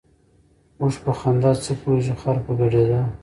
ـ اوښ په خندا څه پوهېږي ، خر په ګډېدا.